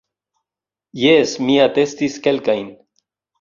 Jes, mi atestis kelkajn.